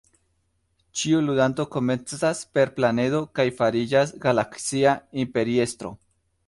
Ĉiu ludanto komencas "per planedo" kaj fariĝas galaksia imperiestro.